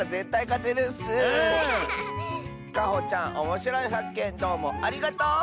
かほちゃんおもしろいはっけんどうもありがとう！